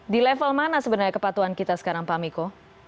di level mana sebenarnya kepatuhan kita sekarang pak miko